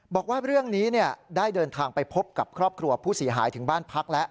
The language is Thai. บอกว่าเรื่องนี้ได้เดินทางไปพบกับครอบครัวผู้เสียหายถึงบ้านพักแล้ว